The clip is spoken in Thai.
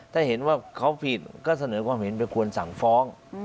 ถ้าเห็นว่าเขาผิดก็เสนอความเห็นไปควรสั่งฟ้อง